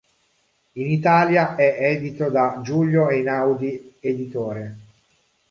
In Italia è edito da Giulio Einaudi Editore.